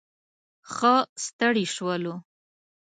ښه ستړي شولو.